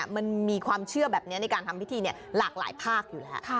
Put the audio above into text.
มันมีความเชื่อแบบนี้ในการทำพิธีหลากหลายภาคอยู่แล้ว